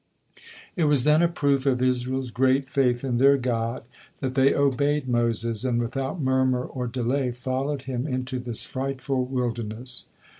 It was then a proof of Israel's great faith in their God, that they obeyed Moses, and without murmur or delay followed him into this frightful wilderness.